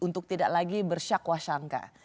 untuk tidak lagi bersyakwa sangka